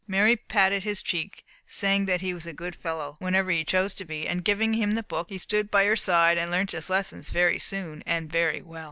Mary patted his cheek, saying that he was a good fellow, whenever he chose to be; and giving him the book, he stood by her side, and learnt his lessons very soon, and very well.